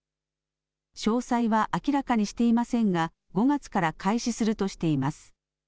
詳細は明らかにしていませんが５月から開始するとしています。